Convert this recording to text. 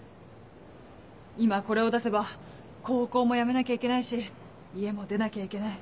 今これを出せば高校もやめなきゃいけないし家も出なきゃいけない。